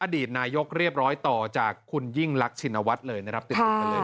อดีตนายกเรียบร้อยต่อจากคุณยิ่งลักษณวัสเลยแล้ว